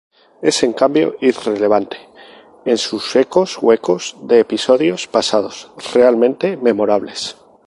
Es, en cambio, irrelevante en sus ecos huecos de episodios pasados, realmente memorables.